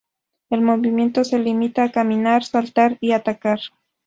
El movimiento se limita a caminar, saltar y atacar.